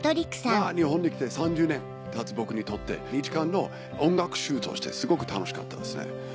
日本に来て３０年たつ僕にとって一巻の音楽集としてすごく楽しかったですね。